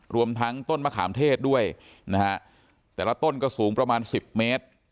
รวมทั้งต้นมะขามเทศด้วยนะฮะแต่ละต้นก็สูงประมาณ๑๐เมตร